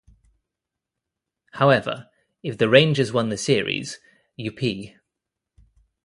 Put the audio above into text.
However, if the Rangers won the series, Youppi!